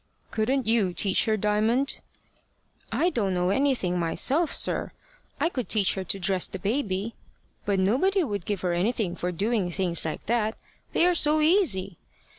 "Couldn't you teach her, Diamond?" "I don't know anything myself, sir. I could teach her to dress the baby; but nobody would give her anything for doing things like that: they are so easy.